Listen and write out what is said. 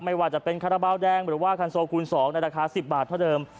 ไม่ว่าจะเป็นคาราบาลแดงหรือว่าคันโซคูณ๒ในราคา๑๐บาทเท่าเดิม